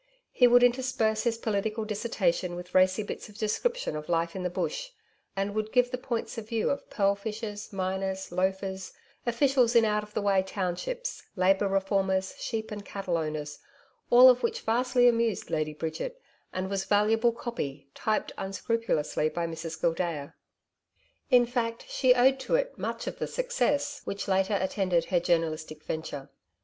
He would intersperse his political dissertation with racy bits of description of life in the Bush, and would give the points of view of pearl fishers, miners, loafers, officials in out of the way townships, Labour reformers, sheep and cattle owners all of which vastly amused Lady Bridget, and was valuable 'copy,' typed unscrupulously by Mrs Gildea. In fact, she owed to it much of the success which, later, attended her journalistic venture.